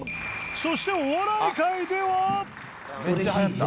そしてお笑い界では